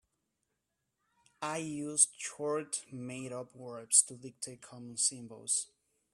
I use short made-up words to dictate common symbols.